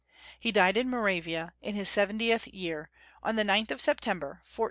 He died ia Moravia, in his seventieth year, on the 9th of September, 1438.